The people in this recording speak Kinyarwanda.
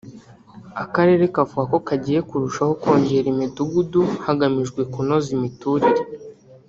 Akarere kavuga ko kagiye kurushaho kongera imidugudu hagamijwe kunoza imiturire